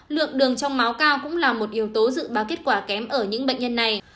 lượng đường trong máu cao cũng là một yếu tố dự báo kết quả kém ở những bệnh nhân này